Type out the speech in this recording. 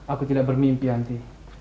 aku tidak bermimpi yanti